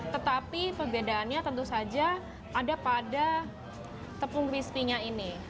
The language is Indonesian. tetapi perbedaannya tentu saja ada pada tepung crispy nya ini